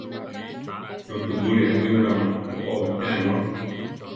Rutubúli awínula má boʼó betéame ru.